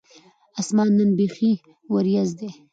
اسمان نن بیخي ور یځ دی